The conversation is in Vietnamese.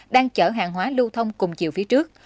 đang chở hàng hóa lưu thông cùng chiều phía trước